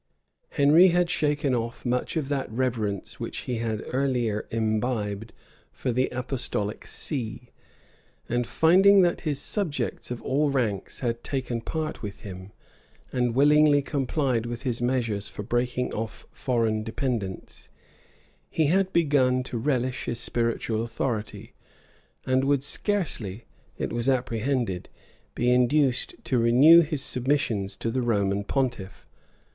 Henry had shaken off much of that reverence which he had early imbibed for the apostolic see; and finding that his subjects of all ranks had taken part with him, and willingly complied with his measures for breaking off foreign dependence, he had begun to relish his spiritual authority, and would scarcely, it was apprehended, be induced to renew his submissions to the Roman pontiff.